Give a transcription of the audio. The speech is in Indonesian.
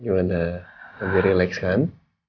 gimana lebih relax kan